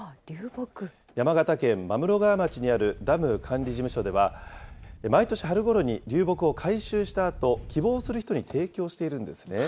山形県真室川町にあるダム管理事務所では、毎年春ごろに、流木を回収したあと、希望する人に提供しているんですね。